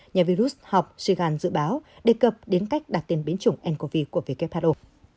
nhà virus học srigan dự báo đề cập đến cách đặt tên biến chủng ncov của who